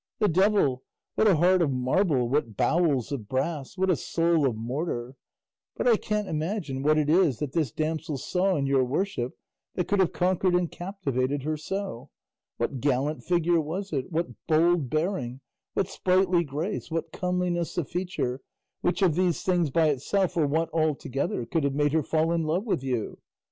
The devil! What a heart of marble, what bowels of brass, what a soul of mortar! But I can't imagine what it is that this damsel saw in your worship that could have conquered and captivated her so. What gallant figure was it, what bold bearing, what sprightly grace, what comeliness of feature, which of these things by itself, or what all together, could have made her fall in love with you?